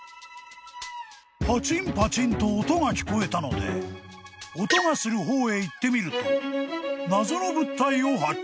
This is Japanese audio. ［と音が聞こえたので音がする方へ行ってみると謎の物体を発見。